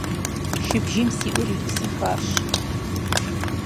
Шыбжийм си ӏур ирисыхащ.